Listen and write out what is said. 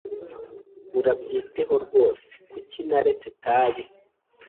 Urabyitayeho rwose kuki naretse itabi?